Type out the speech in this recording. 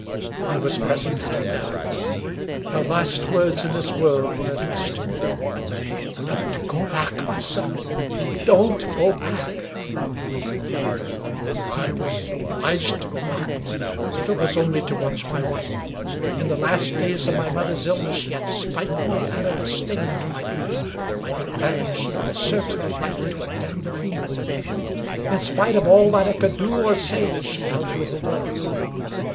I was present at her death. Her last words in this world were addressed to me. " Don't go back, my son — don't go back !" I was obliged to go back, if it was only to watch my wife. In the last days of my mother's illness she had spite fully added a sting to my grief by declaring she would assert her right to attend the funeral. In spite of all that I could do or say, she held to her word.